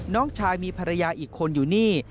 น้องชายมีภรรยาอีกคนอยู่นี่